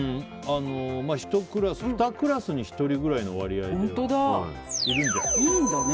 ２クラスに１人くらいの割合でいいんだね。